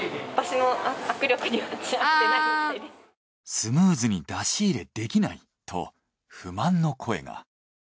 スムーズに出し入れできないと不満の声が。